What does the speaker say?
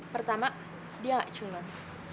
pertama dia gak culon